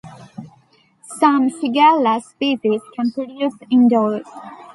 Some "Shigella" species can produce indole.